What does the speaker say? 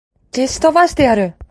消し飛ばしてやる!